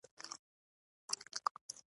دا کار ساده نه دی.